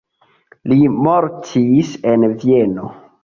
Li mortis en Vieno.